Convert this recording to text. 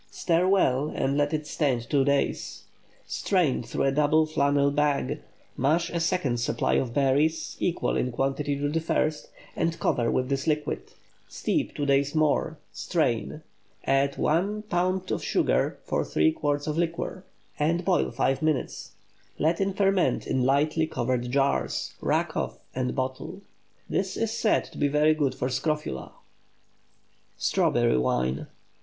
Stir well and let it stand two days. Strain through a double flannel bag; mash a second supply of berries, equal in quantity to the first, and cover with this liquid. Steep two days more; strain; add 1 lb. sugar for 3 quarts of liquor, and boil five minutes. Let it ferment in lightly covered jars; rack off and bottle. This is said to be very good for scrofula. STRAWBERRY WINE.